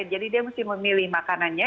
jadi dia mesti memilih makanannya